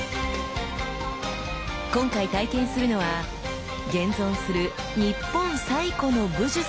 今回体験するのは現存する日本最古の武術ともいわれる流派。